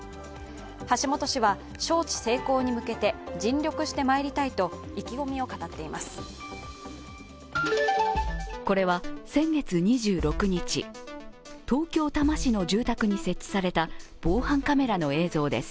橋本氏は招致成功に向けて尽力してまいりたいと意気込みを語っています。